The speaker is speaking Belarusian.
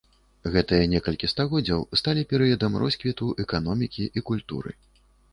Гэтыя некалькі стагоддзяў сталі перыядам росквіту эканомікі і культуры.